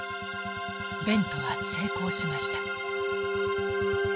ベントは成功しました。